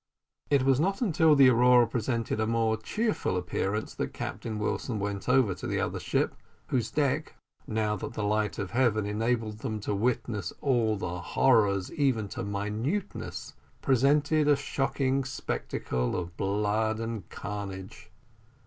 It was not until the Aurora presented a more cheerful appearance that Captain Wilson went over to the other ship, whose deck, now that the light of heaven enabled them to witness all the horrors even to minuteness, presented a shocking spectacle of blood and carnage.